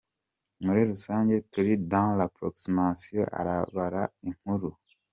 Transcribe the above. Muri rusange turi dans l’approximation, arabara inkuru.